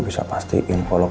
next seconds saya ngajak dia lagi